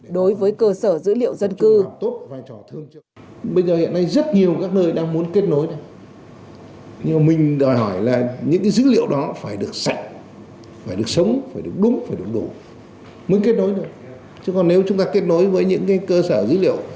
đối với cơ sở dữ liệu dân cư